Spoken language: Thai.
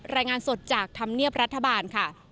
รายงานสดจากธำเนียบรัฐบาล